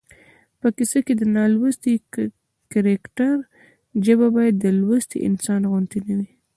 په کیسه کې د نالوستي کرکټر ژبه باید د لوستي انسان غوندې نه وي